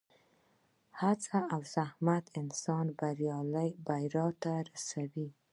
هڅه او زحمت انسان بریا ته رسوي.